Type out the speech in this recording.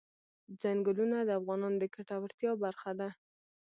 ځنګلونه د افغانانو د ګټورتیا برخه ده.